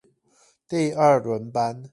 第二輪班